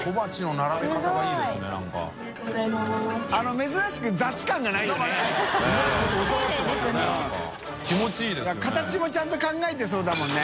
舛いい任垢茲諭形もちゃんと考えてそうだもんね